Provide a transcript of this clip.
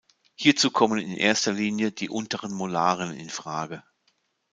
Hierzu kommen in erster Linie die unteren Molaren in Frage.